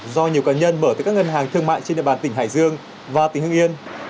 do nhiều cá nhân mở từ các ngân hàng thương mại trên địa bàn tỉnh hải dương và tỉnh hưng yên